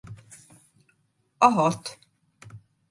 A hat.